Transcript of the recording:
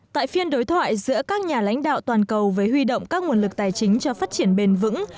tại phiên đối thoại giữa các nhà lãnh đạo toàn cầu về huy động các nguồn lực tài chính cho phát triển bền vững